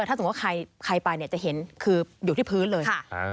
ถ้าสมมุติว่าใครไปเนี่ยจะเห็นคืออยู่ที่พื้นเลย